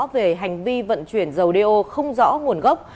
về hành vi vận chuyển dầu đeo không rõ nguồn gốc